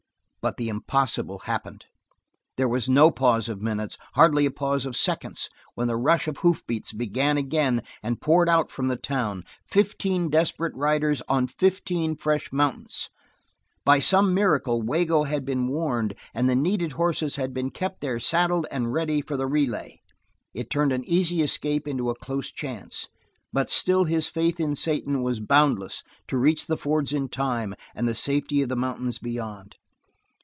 But the impossible happened. There was no pause of minutes, hardly a pause of seconds, when the rush of hoofbeats began again and poured out from the town, fifteen desperate riders on fifteen fresh mounts. By some miracle Wago had been warned and the needed horses had been kept there saddled and ready for the relay. It turned an easy escape into a close chance, but still his faith in Satan was boundless to reach the fords in time, and the safety of the mountains beyond.